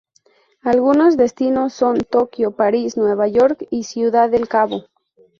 Algunos destinos son Tokio, París, Nueva York y Ciudad del Cabo.